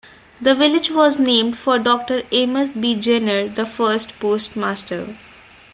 The village was named for Doctor Amos B. Jenner, the first postmaster.